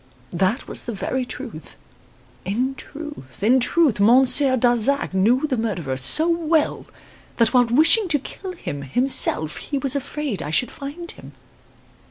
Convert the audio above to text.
That was the very truth. In truth, in truth, Monsieur Darzac knew the murderer so well that while wishing to kill him himself he was afraid I should find him.